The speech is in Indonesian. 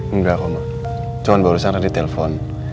enggak pak cuma baru baru tadi telfon